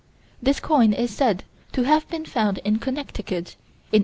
This coin is said to have been found in Connecticut, in 1843.